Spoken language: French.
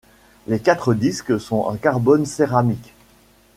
Les quatre disques sont en carbone-céramique.